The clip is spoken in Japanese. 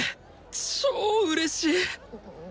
超うれしい！